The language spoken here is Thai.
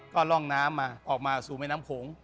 ก็ร่องน้ำมาออกมาสู่แม่น้ำโขง